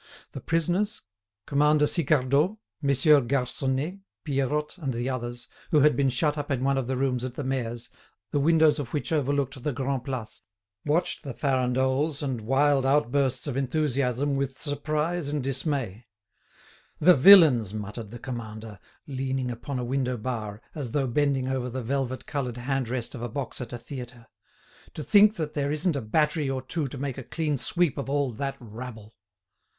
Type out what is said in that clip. The prisoners, Commander Sicardot, Messieurs Garconnet, Peirotte and the others, who had been shut up in one of the rooms at the mayor's, the windows of which overlooked the Grand' Place, watched the farandoles and wild outbursts of enthusiasm with surprise and dismay. "The villains!" muttered the Commander, leaning upon a window bar, as though bending over the velvet covered hand rest of a box at a theatre: "To think that there isn't a battery or two to make a clean sweep of all that rabble!"